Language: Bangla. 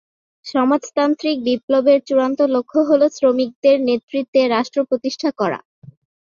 সমাজতান্ত্রিক বিপ্লবের চূড়ান্ত লক্ষ্য হলো শ্রমিকদের নেতৃত্বে রাষ্ট্র প্রতিষ্ঠা করা।